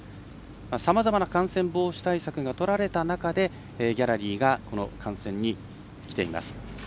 さまざまな感染防止対策がとられた中でギャラリーが観戦に来ています。